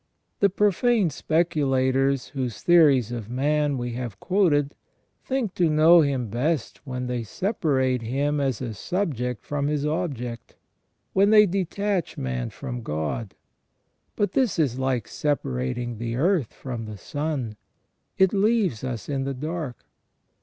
The profane speculators, whose theories of man we have quoted, think to know him best when they separate him as a subject from his object, when they detach man from God ; but this is like separating the earth from the sun, it leaves us in the dark.